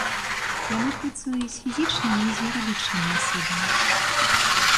Яна працуе і з фізічнымі, і з юрыдычнымі асобамі.